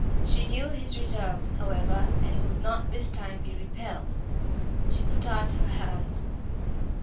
She knew his reserve, however, and would not this time be repelled. She put out her hand.